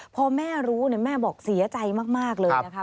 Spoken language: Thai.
พอแม่รู้แม่บอกเสียใจมากเลยนะคะ